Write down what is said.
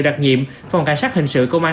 đặc nhiệm phòng cảnh sát hình sự công an